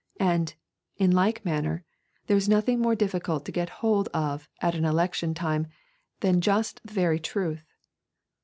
And, in like manner, there is nothing more difficult to get hold of at an election time than just the very truth.